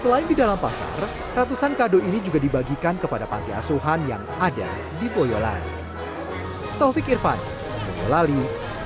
selain di dalam pasar ratusan kado ini juga dibagikan kepada panti asuhan yang ada di boyolali